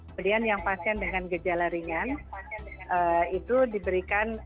kemudian yang pasien dengan gejala ringan itu diberikan